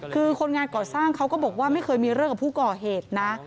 คือคนงานก่อสร้างเขาก็บอกว่าไม่เคยมีเรื่องกับผู้ก่อเหตุนะ